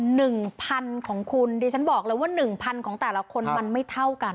หนึ่งพันของคุณดิฉันบอกเลยว่าหนึ่งพันของแต่ละคนมันไม่เท่ากัน